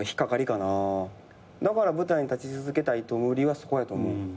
だから舞台に立ち続けたいと思う理由はそこやと思う。